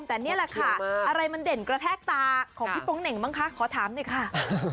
อะไรมันเด่นกระแทกตาของพี่ป้องเหน่งบ้างคะขอถามด้วยค่ะ